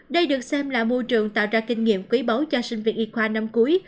đây được xem là môi trường tạo ra kinh nghiệm quý báu cho sinh viên y khoa năm cuối